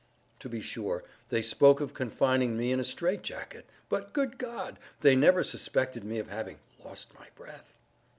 To be sure they spoke of confining me in a strait jacket—but, good God! they never suspected me of having lost my breath.